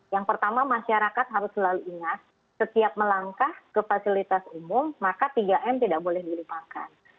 yang pertama masyarakat harus selalu ingat setiap melangkah ke fasilitas umum maka tiga m tidak boleh dilupakan